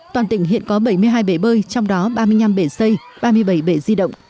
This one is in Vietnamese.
toàn tỉnh hiện có bảy mươi hai bể bơi trong đó ba mươi năm bể xây ba mươi bảy bể di động